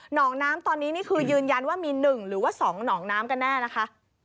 น้องน้ำตอนนี้นี่คือยืนยันว่ามี๑หรือว่า๒หนองน้ำกันแน่นะคะ